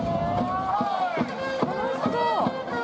「楽しそう！